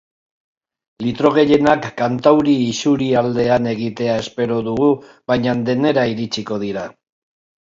Litro gehienak kantauri isurialdean egitea espero dugu baina denera iritsiko dira.